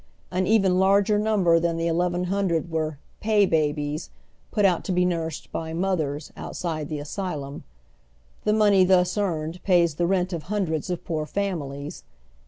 An even larger num ber than the eleven hundred were " pay babies," put out to be nursed by "mothers" outside the asylum. The money thus earaed pays the rent of hundreds of poor families.